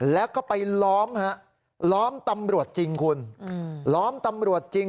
แล้วก็ไปล้อมฮะล้อมตำรวจจริงคุณล้อมตำรวจจริง